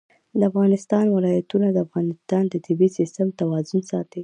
د افغانستان ولايتونه د افغانستان د طبعي سیسټم توازن ساتي.